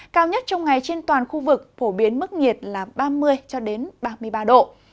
cao nhất trong ngày trên toàn khu vực phổ biến mức nhiệt là ba mươi ba mươi ba độ